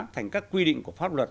thành các quy định của pháp luật